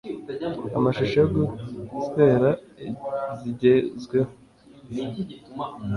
amashusho yo guswera zigezweho